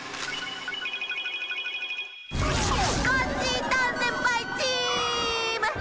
「コッシー・ダンせんぱい」チーム！